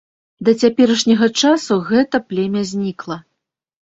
Да цяперашняга часу гэта племя знікла.